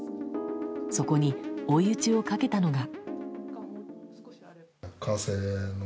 そこに追い打ちをかけたのが。